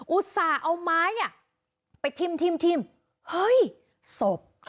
ต่าเอาไม้ไปทิ้มเฮ้ยศพ